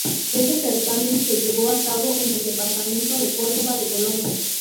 Este certamen se llevó a cabo en el departamento de Córdoba de Colombia.